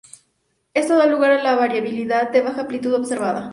Esto da lugar a la variabilidad de baja amplitud observada.